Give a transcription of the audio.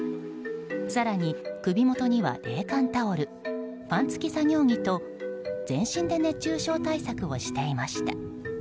更に、首元には冷感タオルファン付き作業着と全身で熱中症対策をしていました。